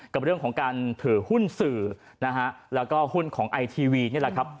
กับเรื่องของการถือหุ้นสื่อแล้วก็หุ้นของนี่ล่ะครับ